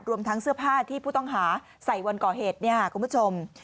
รวมทั้งเสื้อผ้าที่ผู้ต้องหาใส่วันก่อเหตุเนี่ยค่ะคุณผู้ชม